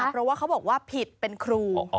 เพราะว่าเขาบอกว่าผิดเป็นครู